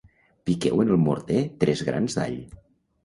Piqueu en el morter tres grans d'all